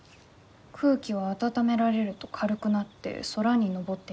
「空気は温められると軽くなって空にのぼっていきます。